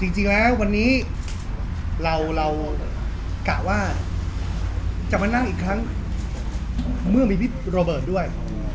จริงแล้ววันนี้เรากะว่าจะมานั่งอีกครั้งเมื่อมีพี่โรเบิร์ตด้วย